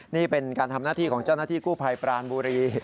นี่เป็นการทำหน้าที่ของเจ้าหน้าที่กู้ภัยปรานบุรี